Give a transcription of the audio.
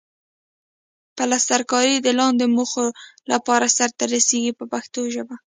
پلسترکاري د لاندې موخو لپاره سرته رسیږي په پښتو ژبه.